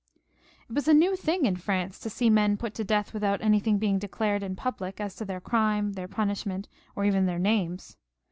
It was a new thing in France to see men put to death without anything being declared in public as to their crime, their punishment, or even their names.